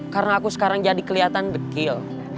karena aku sekarang jadi keliatan dekil